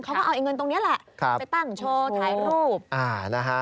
เขาก็เอาไอ้เงินตรงนี้แหละไปตั้งโชว์ถ่ายรูปนะฮะ